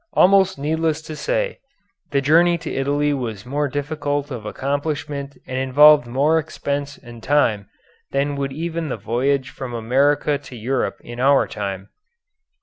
Almost needless to say, the journey to Italy was more difficult of accomplishment and involved more expense and time than would even the voyage from America to Europe in our time.